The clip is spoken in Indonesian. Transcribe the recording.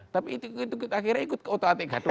tapi itu kita akhirnya ikut ke otak atik gatuk